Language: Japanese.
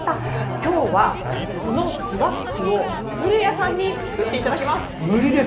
今日は、このスワッグを古谷さんに作っていただきます。